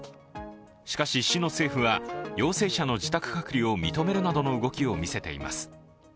しかし市の政府は陽性者の自宅隔離を認めるなどの動きを見せています。